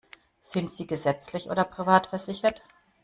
Sind Sie gesetzlich oder privat versichert?